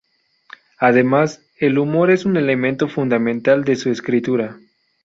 Además, el humor es un elemento fundamental de su escritura.